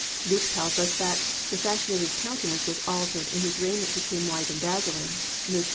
Luke tells us that +"the fashion of his countenance was altered and His raiment became white and dazzling"+ (Luke 9:29).